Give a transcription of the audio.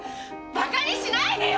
バカにしないでよ！